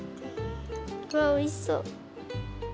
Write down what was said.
わあおいしそう。